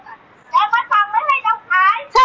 หาเลยหรือคำสอบ